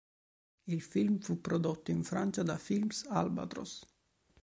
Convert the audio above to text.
Il film fu prodotto in Francia da Films Albatros.